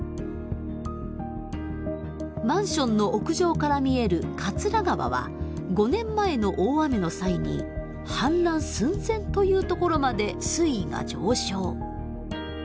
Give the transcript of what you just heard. マンションの屋上から見える桂川は５年前の大雨の際に氾濫寸前というところまで水位が上昇。